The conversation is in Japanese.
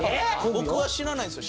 僕は知らないんですよ